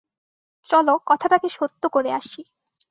চলো কথাটাকে সত্য করে আসি।